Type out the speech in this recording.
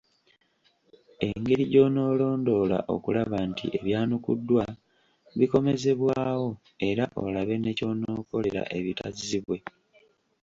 Engeri gy’onoolondoola okulaba nti ebyanukuddwa bikomezebwawo era olabe ne ky’onookolera ebitazzibwe.